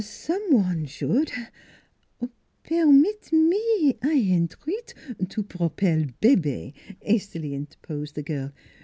" Some one should " Permit me I entreat to propel bebe" has tily interposed the girl.